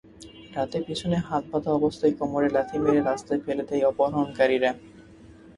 রাতে পেছনে হাত বাঁধা অবস্থায় কোমরে লাথি মেরে রাস্তায় ফেলে দেয় অপহরণকারীরা।